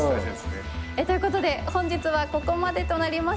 ということで本日はここまでとなります。